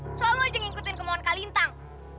aku aja ngikutin kemohon kak lintang